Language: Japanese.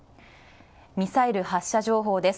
ミサイル発射情報です。